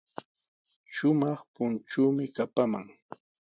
Shumaq punchuumi kapaman.